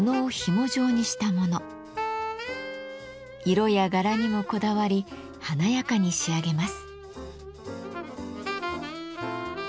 色や柄にもこだわり華やかに仕上げます。